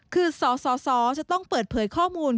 คือสสจะต้องเปิดเผยข้อมูล